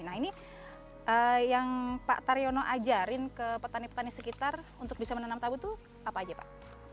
nah ini yang pak taryono ajarin ke petani petani sekitar untuk bisa menanam tabu itu apa aja pak